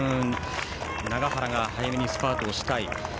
永原が早めにスパートをしたい。